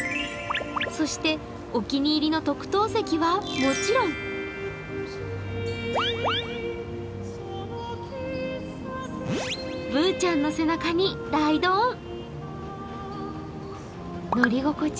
そしてお気に入りの特等席はもちろんぶーちゃんの背中にライドオン。